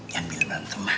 jangan bilang bariin teman